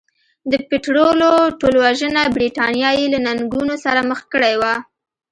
د پیټرلو ټولوژنه برېټانیا یې له ننګونو سره مخ کړې وه.